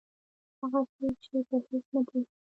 هغه څوک چې په هېڅ نه پوهېږي.